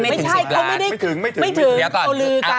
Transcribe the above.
ไม่ถึง